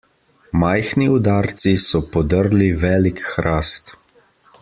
Majhni udarci so podrli velik hrast.